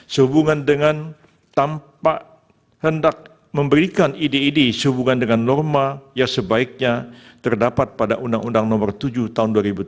sehubungan dengan tampak hendak memberikan ide ide sehubungan dengan norma yang sebaiknya terdapat pada undang undang nomor tujuh tahun dua ribu tujuh belas